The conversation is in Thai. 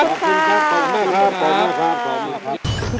ขอบคุณครับขอบคุณมากครับ